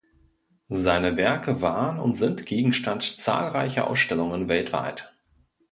Seine Werke waren und sind Gegenstand zahlreicher Ausstellungen weltweit.